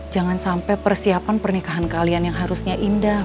jangan sampai persiapan pernikahan kalian yang harusnya indah